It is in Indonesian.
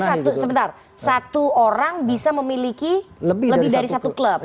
jadi sebentar satu orang bisa memiliki lebih dari satu klub